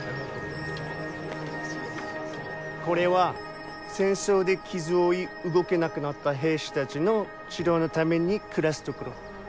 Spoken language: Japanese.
これは戦争で傷を負い動けなくなった兵士たちの治療のために暮らす所。